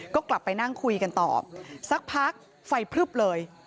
ก็กลับไปนั่งคุยกันต่อสักพักไฟพลึบเลย